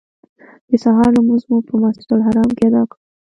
د سهار لمونځ مو په مسجدالحرام کې ادا کړ.